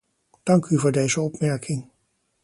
Dank u voor deze opmerking.